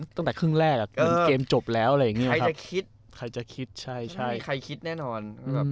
ตั้งแต่ครึ่งแรกมันเกมจบแล้วอะไรอย่างนี้ใครจะคิดใครจะคิดใช่ใช่ใครคิดแน่นอน